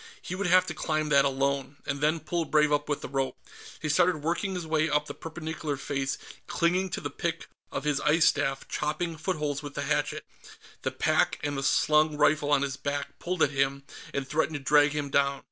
He would have to climb that alone, and then pull Brave up with the rope. He started working his way up the perpendicular face, clinging by the pick of his ice staff, chopping footholds with the hatchet; the pack and the slung rifle on his back pulled at him and threatened to drag him down.